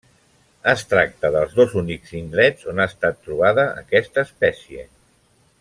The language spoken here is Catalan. Es tracta dels dos únics indrets on ha estat trobada aquesta espècie.